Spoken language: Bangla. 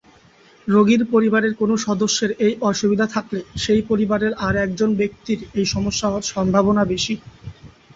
রোগীর পরিবারের কোন সদস্যের এই অসুবিধা থাকলে, সেই পরিবারের আর একজন ব্যক্তির এই সমস্যা হওয়ার সম্ভাবনা বেশি।